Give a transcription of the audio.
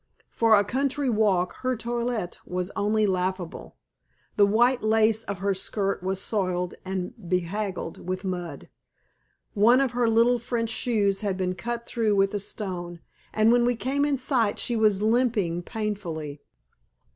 For a country walk her toilette was only laughable. The white lace of her skirt was soiled, and bedraggled with mud. One of her little French shoes had been cut through with a stone, and when we came in sight she was limping painfully.